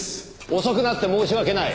遅くなって申し訳ない。